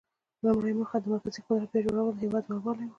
لومړۍ موخه د مرکزي قدرت بیا جوړول او د هیواد یووالی و.